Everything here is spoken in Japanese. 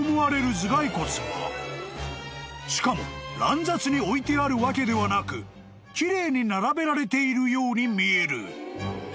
［しかも乱雑に置いてあるわけではなく奇麗に並べられているように見える］